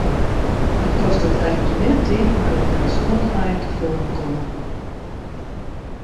It kostet efkes mear tiid, mar it kin in soad lijen tefoaren komme.